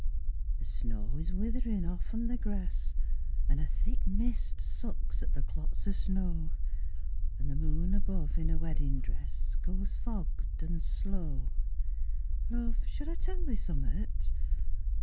The snow is witherin' off'n th' gress An' a thick mist sucks at the clots o' snow, An' the moon above in a weddin' dress Goes fogged an' slow Love, should I tell thee summat?